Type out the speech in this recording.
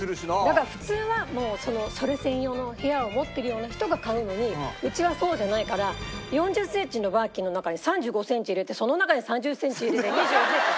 だから普通はそれ専用の部屋を持ってるような人が買うのにうちはそうじゃないから４０センチのバーキンの中に３５センチ入れてその中に３０センチ入れて２５センチ。